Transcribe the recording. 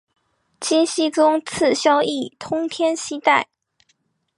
金熙宗赐萧肄通天犀带。